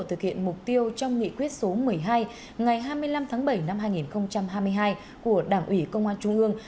thực hiện mục tiêu trong nghị quyết số một mươi hai ngày hai mươi năm tháng bảy năm hai nghìn hai mươi hai của đảng ủy công an trung ương